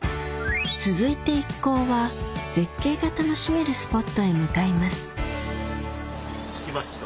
続いて一行は絶景が楽しめるスポットへ向かいます着きました。